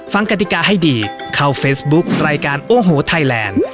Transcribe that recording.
กติกาให้ดีเข้าเฟซบุ๊ครายการโอ้โหไทยแลนด์